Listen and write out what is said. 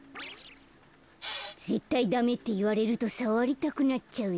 ぜったいダメっていわれるとさわりたくなっちゃうよ。